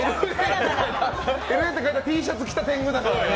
ＬＡって書いたＴシャツ着た天狗だから。